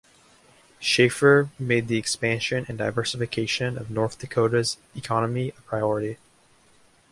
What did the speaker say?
Schafer made the expansion and diversification of North Dakota's economy a priority.